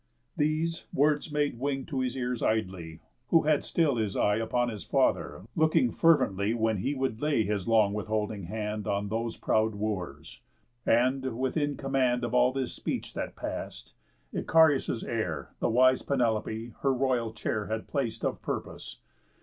These words made wing To his ears idly, who had still his eye Upon his father, looking fervently When he would lay his long withholding hand On those proud Wooers. And, within command Of all this speech that pass'd, Icarius' heir, The wise Penelope, her royal chair Had plac'd of purpose.